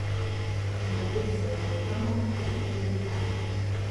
Аха набыцрак амамызт ашофер ихәамц.